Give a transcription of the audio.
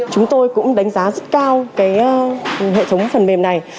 chúng tôi cũng đánh giá rất cao hệ thống phần mềm này